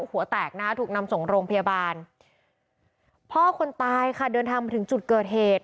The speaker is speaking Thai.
หัวแตกนะคะถูกนำส่งโรงพยาบาลพ่อคนตายค่ะเดินทางมาถึงจุดเกิดเหตุ